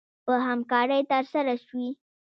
په همکارۍ ترسره شوې